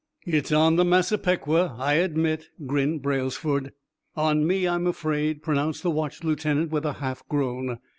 "It's on the 'Massapequa,' I admit," grinned Braylesford. "On me, I'm afraid," pronounced the watch lieutenant, with a half groan.